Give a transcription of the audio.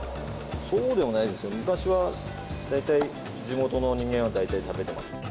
そうでもないですよ昔は大体地元の人間は大体食べてます。